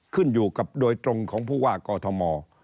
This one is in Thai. ขึ้นอยู่กับโดยตรงของผู้ว่ากอทม